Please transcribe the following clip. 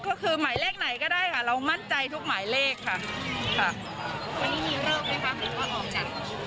ก็คือหมายเลขไหนก็ได้เรามั่นใจทุกหมายเลขค่ะ